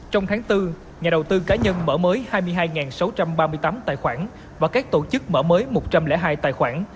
trong tháng bốn nhà đầu tư cá nhân mở mới hai mươi hai sáu trăm ba mươi tám tài khoản và các tổ chức mở mới một trăm linh hai tài khoản